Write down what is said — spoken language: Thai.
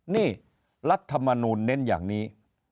นี่รัฐมนูลเน้นอย่างนี้